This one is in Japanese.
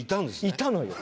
いたのよ。